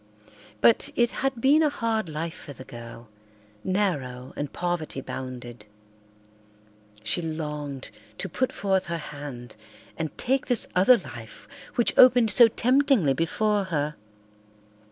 But it had been a hard life for the girl, narrow and poverty bounded. She longed to put forth her hand and take this other life which opened so temptingly before her.